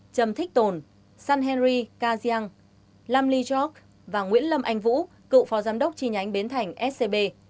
trầm thích tồn san henry kha giang lam ly chok và nguyễn lâm anh vũ cựu phó giám đốc chi nhánh bến thành scb